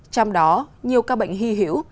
trong đó nhiều ca bệnh hy hiểu